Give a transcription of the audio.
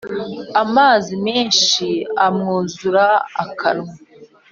amazi menshi amwuzura akanwa